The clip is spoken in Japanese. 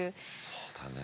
そうだね。